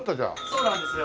そうなんですよ。